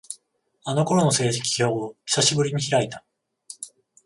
あの頃の成績表を、久しぶりに開いた。